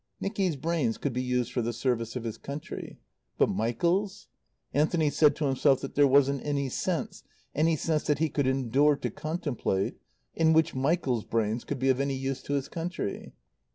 Nicky's brains could be used for the service of his country. But Michael's? Anthony said to himself that there wasn't any sense any sense that he could endure to contemplate in which Michael's brains could be of any use to his country.